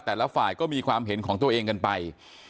แต่ละฝ่ายก็มีความเห็นของตัวเองกันไป